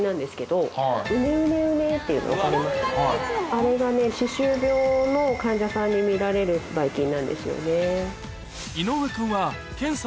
あれがね歯周病の患者さんに見られるばい菌なんですよね。